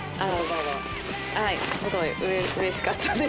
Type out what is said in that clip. はいすごいうれしかったです。